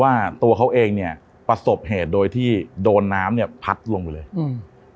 ว่าตัวเขาเองเนี้ยประสบเหตุโดยที่โดนน้ำเนี้ยพัดลงไปเลยอืม